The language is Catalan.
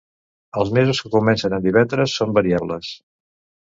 Els mesos que comencen en divendres són variables.